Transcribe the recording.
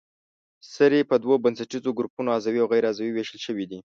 سرې په دوو بنسټیزو ګروپونو عضوي او غیر عضوي ویشل شوې دي.